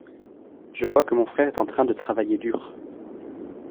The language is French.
Je vois que mon frère est en train de travailler dur.